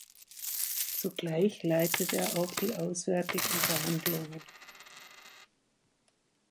Zugleich leitete er auch die auswärtigen Verhandlungen.